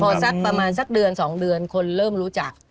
พอสักประมาณสักเดือน๒เดือนคนเริ่มรู้จัก